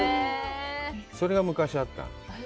それは昔あった。